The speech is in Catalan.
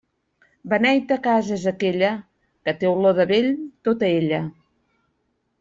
Beneita casa és aquella, que té olor de vell tota ella.